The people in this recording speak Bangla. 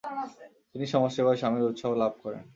তিনি সমাজসেবায় স্বামীর উৎসাহ লাভ করেন।